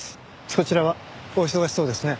そちらはお忙しそうですね。